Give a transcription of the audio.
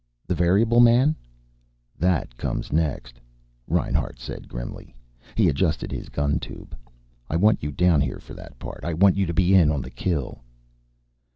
"The variable man?" "That comes next," Reinhart said grimly. He adjusted his gun tube. "I want you down here, for that part. I want you to be in on the kill."